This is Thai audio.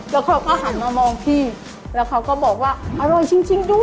แล้วเขาก็หันมามองพี่แล้วเขาก็บอกว่าอร่อยจริงด้วย